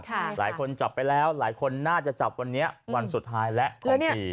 หลายคนจับไปแล้วหลายคนน่าจะจับวันนี้วันสุดท้ายแล้วของปี